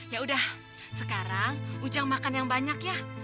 ya udah sekarang ujang makan yang banyak ya